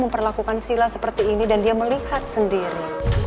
memperlakukan sila seperti ini dan dia melihat sendiri